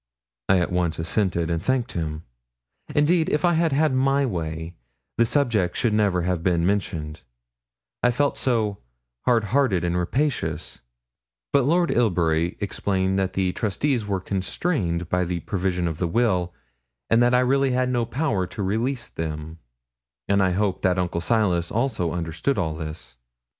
I at once assented, and thanked him; indeed, if I had had my way, the subject should never have been mentioned, I felt so hardhearted and rapacious; but Lord Ilbury explained that the trustees were constrained by the provisions of the will, and that I really had no power to release them; and I hoped that Uncle Silas also understood all this.